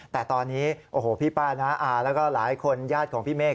แต่ตอนนี้โอ้โหพี่ป้าน้าอาแล้วก็หลายคนญาติของพี่เมฆ